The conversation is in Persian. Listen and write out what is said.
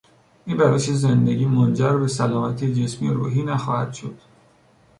این روش زندگی منجربه سلامتی جسمی و روحی نخواهد شد.